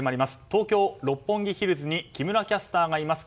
東京・六本木ヒルズに木村キャスターがいます。